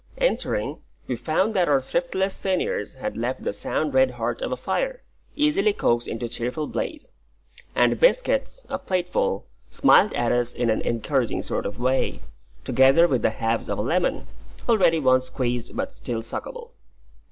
Entering, we found that our thriftless seniors had left the sound red heart of a fire, easily coaxed into a cheerful blaze; and biscuits a plateful smiled at us in an encouraging sort of way, together with the halves of a lemon, already once squeezed but still suckable.